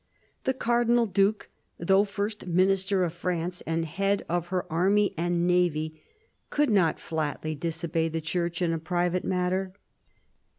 The Cardinal Due, though First Minister of France and head of her army and navy, could not flatly disobey the Church in a private matter.